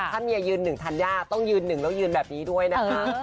ถ้าเมียยืน๑ทัณยาต้องยืน๑แล้วโดยยืนแบบนี้ด้วยนะ